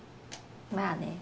まあね。